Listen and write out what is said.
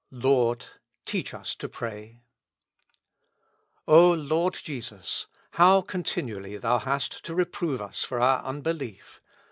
" Lord, teach us to pray." O Lord Jesus ! how continually Thou hast to re prove us for our unbelief